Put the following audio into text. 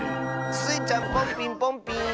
スイちゃんポンピンポンピーン！